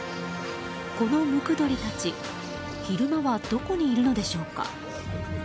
このムクドリたち昼間はどこにいるのでしょうか。